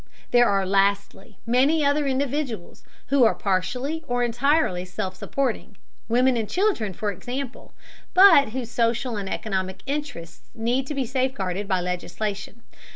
There are, lastly, many other individuals who are partially or entirely self supporting, women and children, for example, but whose social and economic interests need to be safeguarded by legislation.